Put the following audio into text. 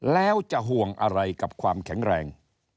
แล้วจะห่วงอะไรกับความแข็งแรง